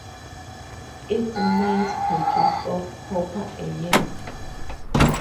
Its mines produce of copper a year.